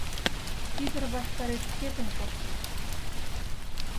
Тигр ваштареш шкетын коштын.